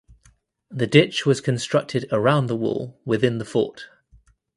The ditch was constructed around the wall within the fort.